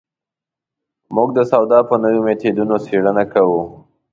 موږ د سودا په نویو مېتودونو څېړنه کوو.